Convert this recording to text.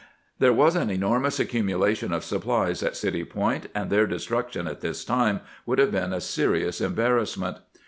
There was an enormous accumulation of supplies at City Point, and their destruction at this time would have been a serious embarrassment.